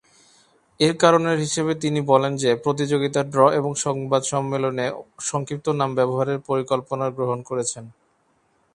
এর কারণে হিসেবে তিনি বলেন যে, প্রতিযোগিতার ড্র ও সংবাদ সম্মেলনে সংক্ষিপ্ত নাম ব্যবহারের পরিকল্পনার গ্রহণ করেছেন।